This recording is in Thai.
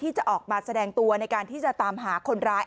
ที่จะออกมาแสดงตัวในการที่จะตามหาคนร้าย